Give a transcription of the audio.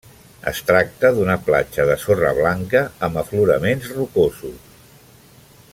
Es tracta d'una platja de sorra blanca amb afloraments rocosos.